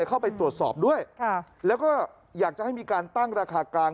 เข้าไปตรวจสอบด้วยแล้วก็อยากจะให้มีการตั้งราคากลาง